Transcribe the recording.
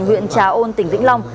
huyện trà ôn tỉnh vĩnh long